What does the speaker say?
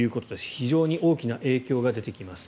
非常に大きな影響が出てきます。